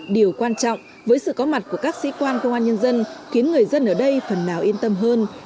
điều quan trọng với sự có mặt của các sĩ quan công an nhân dân khiến người dân ở đây phần nào yên tâm hơn